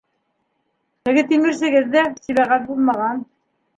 Теге тимерсегеҙ ҙә Сибәғәт булмаған.